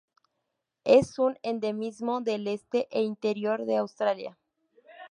Es un endemismo del este e interior de Australia.